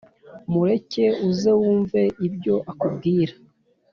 mureke uze wumve ibyo akubwira